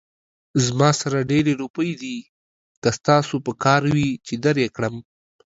زما سره ډېرې روپۍ دي، که ستاسې پکار وي، چې در يې کړم